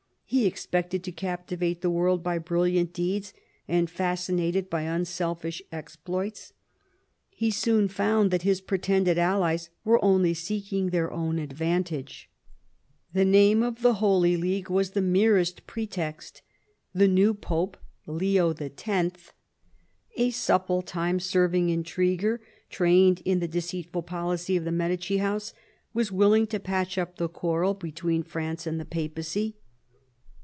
He expected to captivate the world by brilliant deeds, and fascinate it by unselfish exploits. He soon found that hig^^retend^d allies were only s^e^ing their own advantaga The name of the "Holy League" was the merest pretext The new Pope, Leo X., a supple time serving intriguer, trained in the deceitful policy of the Medici House, was willing to patch up the quarrel between France and the Papacy.